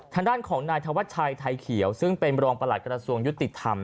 ทางด้านของนายธวัชชัยไทยเขียวซึ่งเป็นรองประหลัดกระทรวงยุติธรรม